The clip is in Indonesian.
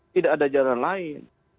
tidak ada jalan lain